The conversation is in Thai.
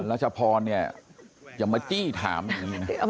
รัชพรเนี่ยอย่ามาจี้ถามอย่างนี้นะ